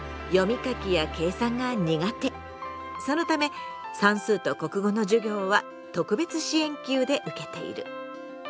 そのため算数と国語の授業は特別支援級で受けている。